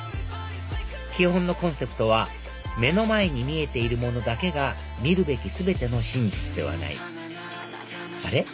基本のコンセプトは「目の前に見えているものだけが見るべき全ての真実ではない」あれ？